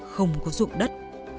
không có dụng đất